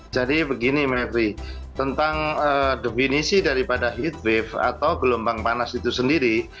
jadi begini mevri tentang definisi daripada heatwave atau gelombang panas itu sendiri